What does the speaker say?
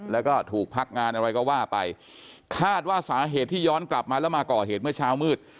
แล้วก็ถูกพักงานอะไรก็ว่าไปคาดว่าสาเหตุที่ย้อนกลับมาแล้วมาก่อเหตุเมื่อเช้ามืด